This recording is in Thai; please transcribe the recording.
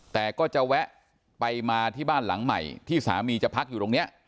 แต่ก็จะแวะไปมาที่บ้านหลังใหม่ที่สามีจะพักอยู่ตรงนี้